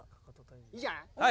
いいじゃない。